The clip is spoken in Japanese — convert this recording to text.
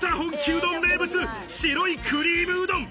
うどん名物・白いクリームうどん！